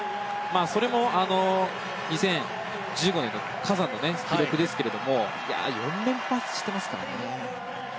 それも２０１５年カザンの記録ですけど４連覇してますからね。